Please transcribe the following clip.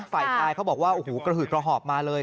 ฝ่ายชายเขาบอกว่าโอ้โหกระหืดกระหอบมาเลย